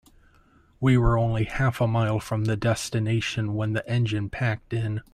We were only half a mile from the destination when the engine packed in.